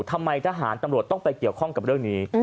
ทำไมทหารตำรวจต้องไปเกี่ยวข้องกับเรื่องนี้